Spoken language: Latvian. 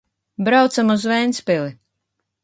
Braucam uz Ventspili!